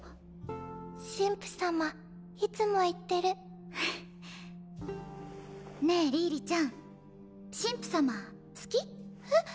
神父様いつも言ってるねえリーリちゃん神父様好き？えっ！？